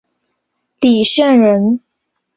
李绚人。